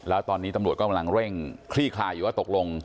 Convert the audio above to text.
แล้วตอนนี้ตำรวจก็กำลังเร่งคลี่คลายอยู่ว่าตกลง